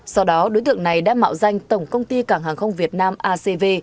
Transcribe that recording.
sau đó đối tượng này đã mạo danh tổng công ty cảng hàng không việt nam acv